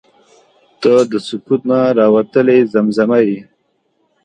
• ته د سکوت نه راوتلې زمزمه یې.